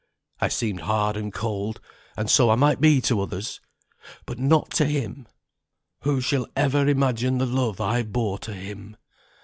I seemed hard and cold; and so I might be to others, but not to him! who shall ever imagine the love I bore to him?